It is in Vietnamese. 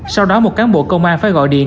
sau đó một cán bộ công an phải gọi điện